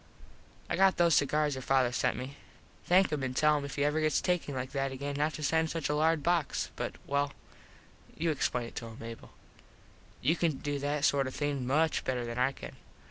I got those cigars your father sent me. Thank him an tell him if he ever gets takin like that again not to send such a large box but well you explain it to him Mable. You can do that sort of thing much better than I can.